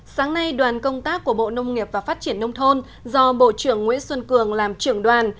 sáng nay đoàn công tác của bộ nông nghiệp và phát triển nông thôn do bộ trưởng nguyễn xuân cường làm trưởng đoàn